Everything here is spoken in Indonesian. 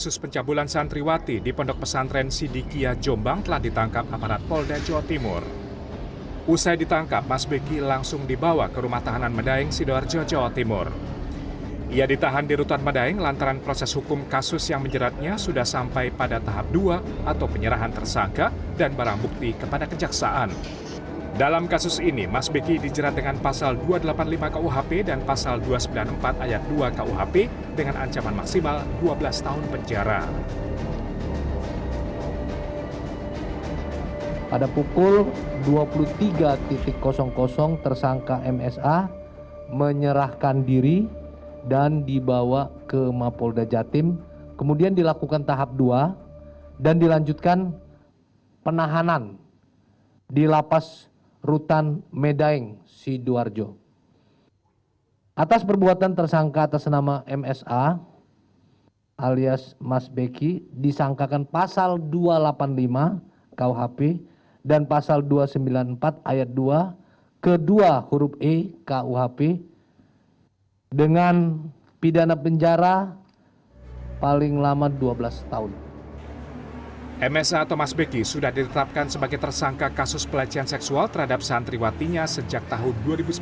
sebagai tersangka kasus pelecehan seksual terhadap santriwatinya sejak tahun dua ribu sembilan belas